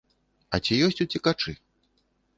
А ці ёсць уцекачы?